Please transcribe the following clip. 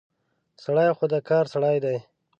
سړی خو د کار سړی دی.